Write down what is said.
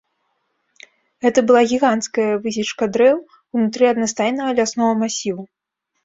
Гэта была гіганцкая высечка дрэў ўнутры аднастайнага ляснога масіву.